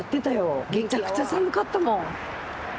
めちゃくちゃ寒かったもん。